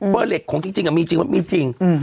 เหล็กของจริงมีจริงว่ามีจริง